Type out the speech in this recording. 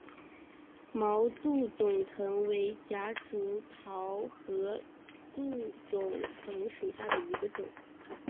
毛杜仲藤为夹竹桃科杜仲藤属下的一个种。